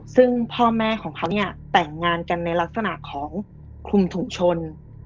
ซึ่งพ่อแม่ของเขาเนี่ยแต่งงานกันในลักษณะของคลุมถุงชน